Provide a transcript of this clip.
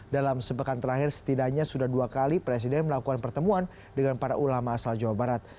dalam sepekan terakhir setidaknya sudah dua kali presiden melakukan pertemuan dengan para ulama asal jawa barat